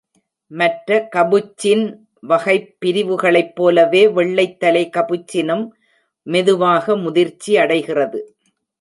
மற்ற கபுச்சின் வகைப்பிரிவுகளைப் போலவே, வெள்ளைத் தலை கபுச்சினும் மெதுவாக முதிர்ச்சியடைகிறது.